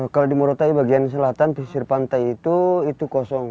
kalau di morotai bagian selatan di sir pantai itu kosong